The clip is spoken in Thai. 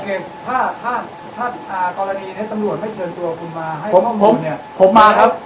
ถ้าถ้าถ้าอ่ากรณีในตำรวจไม่เชิญตัวคุณมาให้ผมผมผมมาครับ